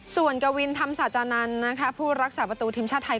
ส่วนกวินธรรมศาจานันทร์ผู้รักษาประตูทีมชาติไทย